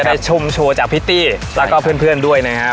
เราจะได้ชมโชว์จากพี่ตี้แล้วก็เพื่อนเพื่อนด้วยนะฮะ